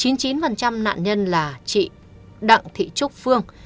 chín mươi chín nạn nhân là chị đặng thị trúc phương